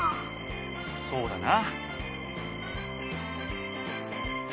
そうだな。